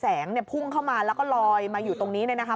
แสงเนี่ยพุ่งเข้ามาแล้วก็ลอยมาอยู่ตรงนี้เนี่ยนะคะ